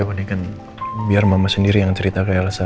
aku ingin biar mama sendiri yang cerita ke elsa